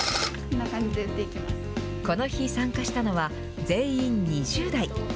この日、参加したのは全員２０代。